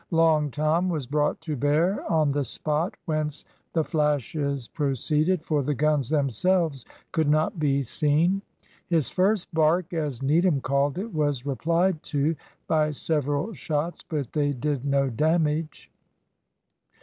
Long Tom was brought to bear on the spot whence the flashes proceeded, for the guns themselves could not be seen. His first bark, as Needham called it, was replied to by several shots, but they did no damage.